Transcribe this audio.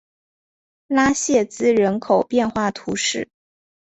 拉谢兹人口变化图示